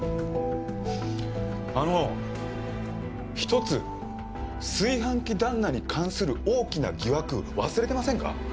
あの１つ炊飯器旦那に関する大きな疑惑忘れてませんか？